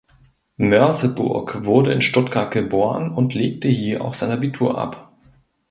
Mörseburg wurde in Stuttgart geboren und legte hier auch sein Abitur ab.